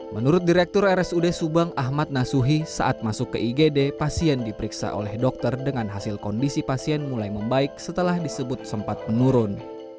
menurut direktur rsud subang ahmad nasuhi saat masuk ke igd pasien diperiksa oleh dokter dengan hasil kondisi pasien mulai membaik setelah disebut sempat menurun